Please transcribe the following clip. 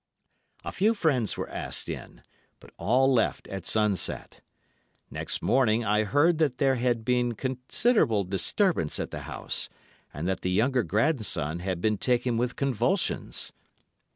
A few friends were asked in, but all left at sunset. Next morning I heard that there had been considerable disturbance at the house, and that the younger grandson had been taken with convulsions.